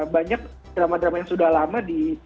banyak drama drama yang sudah lama